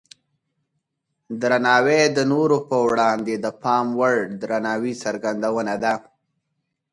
درناوی د نورو په وړاندې د پام وړ درناوي څرګندونه ده.